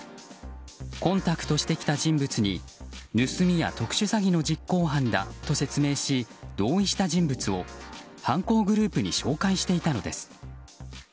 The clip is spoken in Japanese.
コンタクトしてきた人物に盗みや特殊詐欺の実行犯だと説明し、同意した人物を犯行グループに紹介していたのです。